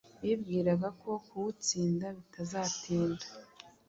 bibwiraga ko kuwutsinda bitazatinda